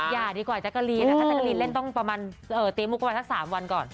อย่าดีกว่าแจ๊กกะลีนนะคะถ้าแจกรีนเล่นต้องประมาณตีมุกประมาณสัก๓วันก่อน